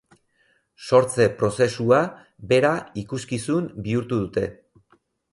Sortze prozesua bera ikuskizun bihurtu dute.